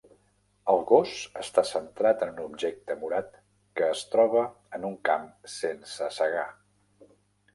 El gos està centrat en un objecte morat que es troba en un camp sense segar.